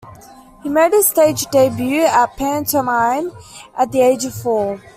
He made his stage debut in pantomime at the age of four.